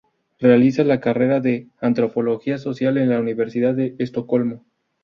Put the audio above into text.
Realiza la carrera de antropología social en la Universidad de Estocolmo.